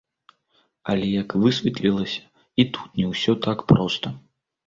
Але як высветлілася, і тут не ўсё так проста.